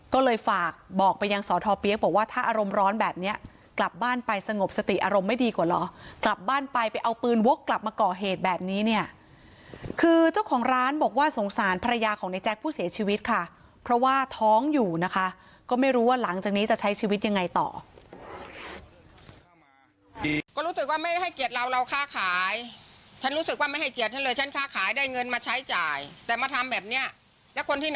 ก็เลยฝากบอกไปยังสอทอเปี๊ยกบอกว่าถ้าอารมณ์ร้อนแบบนี้กลับบ้านไปสงบสติอารมณ์ไม่ดีกว่าเหรอกลับบ้านไปไปเอาปืนวกกลับมาก่อเหตุแบบนี้เนี่ยคือเจ้าของร้านบอกว่าสงสารภรรยาของในแจ๊คผู้เสียชีวิตค่ะเพราะว่าท้องอยู่นะคะก็ไม่รู้ว่าหลังจากนี้จะใช้ชีวิตยังไงต่อ